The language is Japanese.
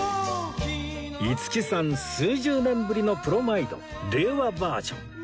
五木さん数十年ぶりのプロマイド令和バージョン